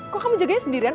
kok kamu jagainya sendirian